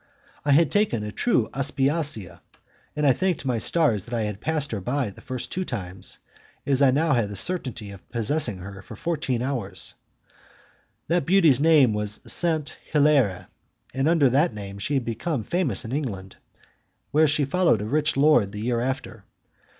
I had taken a true Aspasia, and I thanked my stars that I had passed her by the first two times, as I had now the certainty of possessing her for fourteen hours. That beauty's name was Saint Hilaire; and under that name she became famous in England, where she followed a rich lord the year after.